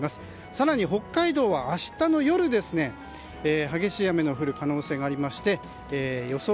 更に、北海道は明日の夜、激しい雨の降る可能性がありまして予想